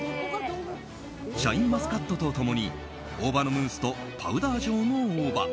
シャインマスカットと共に大葉のムースとパウダー状の大葉